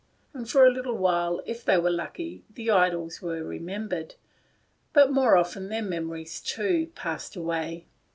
And for a little while, if they were lucky, the idols were remembered, but more often their memories passed away.